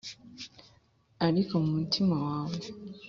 ariko mu mutima wawe,